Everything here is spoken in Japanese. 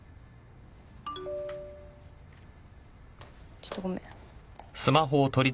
ちょっとごめん。